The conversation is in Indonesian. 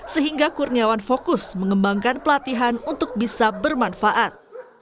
sehingga kurniawan fokus mengembangkan pelatihan untuk bisa bermanfaat